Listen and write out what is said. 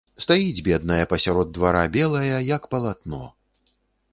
Стаіць, бедная, пасярод двара белая як палатно.